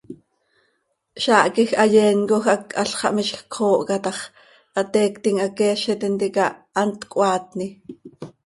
Zaah quij hayeencoj hac halx xah miizj cöxoohca tax ¡hateiictim haqueezi tintica hant cöhaatni!